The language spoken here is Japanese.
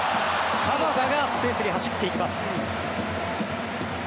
鎌田がスペースに走っていきます。